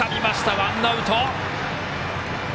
ワンアウト。